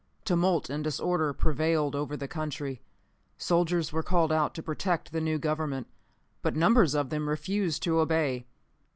Tumult and disorder prevailed over the country. Soldiers were called out to protect the new Government, but numbers of them refused to obey.